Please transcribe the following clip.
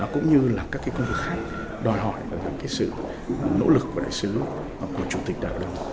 cũng như là các công việc khác đòi hỏi sự nỗ lực của đại sứ của chủ tịch đại hội đồng